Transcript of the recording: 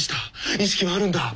意識はあるんだ。